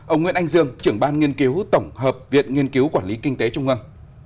ông nguyễn anh dương trưởng ban nghiên cứu tổng hợp viện nghiên cứu quản lý kinh tế trung ương